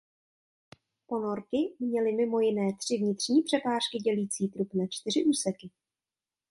Ponorky měly mimo jiné tři vnitřní přepážky dělící trup na čtyři úseky.